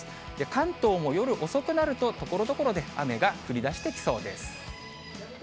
関東も夜遅くなると、ところどころで雨が降りだしてきそうです。